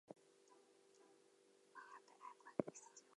Fiberglass poles were in its infancy at the time.